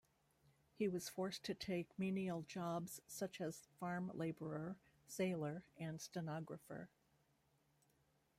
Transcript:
He was forced to take menial jobs such as farm labourer, sailor and stenographer.